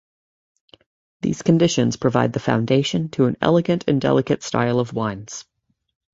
These conditions provide the foundation to an elegant and delicate style of wines.